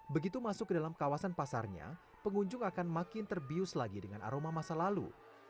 begitu masuk ke dalam kawasan pasarnya pengunjung akan makin terbius lagi dengan aroma masa lalu